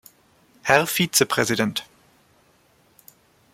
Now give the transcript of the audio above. Herr Vizepräsident!